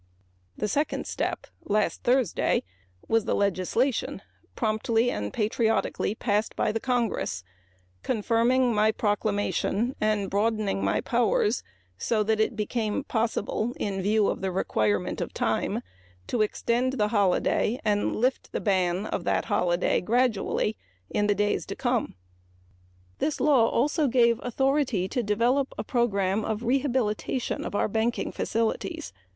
The second step was the legislation promptly and patriotically passed by the Congress confirming my proclamation and broadening my powers so that it became possible in view of the requirement of time to extend the holiday and lift the ban of that holiday gradually. This law also gave authority to develop a program of rehabilitation of our banking facilities.